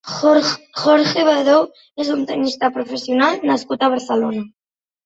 Jorge Bardou és un tennista professional nascut a Barcelona.